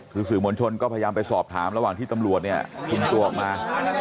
คือสื่อมวลชนก็พยายามไปสอบถามระหว่างที่ตำรวจเนี่ยคุมตัวออกมา